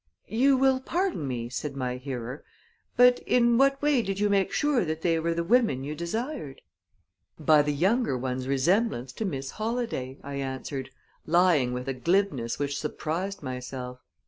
"You will pardon me," said my hearer, "but in what way did you make sure that they were the women you desired?" "By the younger one's resemblance to Miss Holladay," I answered, lying with a glibness which surprised myself.